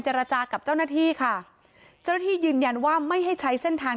จากับเจ้าหน้าที่ค่ะเจ้าหน้าที่ยืนยันว่าไม่ให้ใช้เส้นทาง